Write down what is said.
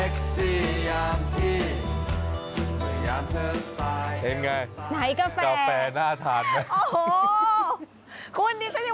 คุณนี่ฉันยังไม่เห็นกาแฟซะแก้วหนึ่งเอาจริง